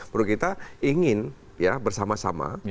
menurut kita ingin bersama sama